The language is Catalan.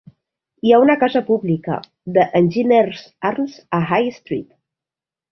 Hi ha una casa pública: The Engineers Arms a High Street.